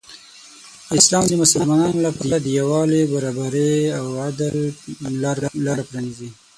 اسلام د مسلمانانو لپاره د یو والي، برابري او عدل لاره پرانیزي.